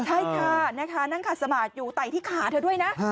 ใช่ค่ะนะคะนั่งขัดสมาธิอยู่ไต่ที่ขาเธอด้วยนะ